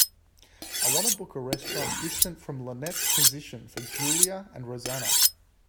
I want to book a restaurant distant from lynette's position for julia and rosanna.